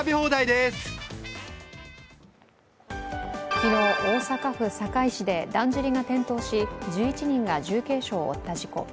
昨日、大阪府堺市でだんじりが転倒し、１１人が重軽傷を負った事故。